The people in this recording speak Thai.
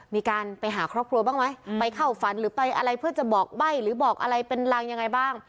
มีการไปหาครอบครัวบ้างไหมไปเข้าฝันหรือไปอะไรเพื่อจะบอกใบ้หรือบอกอะไรเป็นรังยังไงบ้าง